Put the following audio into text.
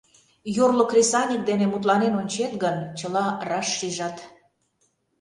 Йорло кресаньык дене мутланен ончет гын, чыла раш шижат.